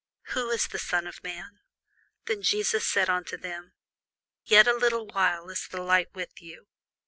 who is this Son of man? Then Jesus said unto them, Yet a little while is the light with you.